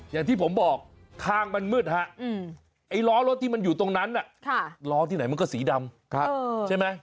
อย่างที่ผมบอกทางมันมืดฮะไอ้ล้อรถที่มันอยู่ตรงนั้นล้อที่ไหนมันก็สีดำใช่ไหม